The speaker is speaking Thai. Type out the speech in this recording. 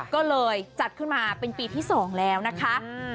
ก็เลยจัดขึ้นมาเป็นปีที่๒แล้วนะคะ